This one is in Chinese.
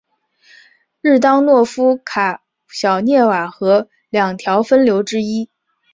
日当诺夫卡小涅瓦河两条分流之一。